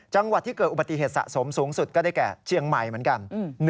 จังหวัดที่เกิดอุบัติเหตุสะสมสูงสุดก็ได้แก่เชียงใหม่เหมือนกัน